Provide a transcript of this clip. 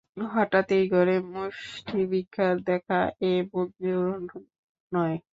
হঠাৎ এই ঘরে মুষ্টিভিক্ষার দেখা–এ মঞ্জুর নয়।